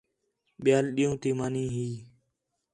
ٻِیال ݙِین٘ہوں تی مانی ہی